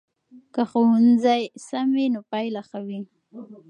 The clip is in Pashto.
که ښوونځی سم وي نو پایله ښه وي.